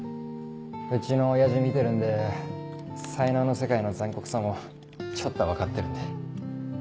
うちの親父見てるんで才能の世界の残酷さもちょっとは分かってるんで。